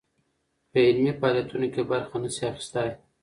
په علمي فعاليتونو کې برخه نه شي اخىستى